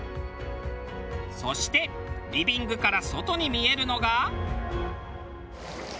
そしてリビングから外に見えるのが。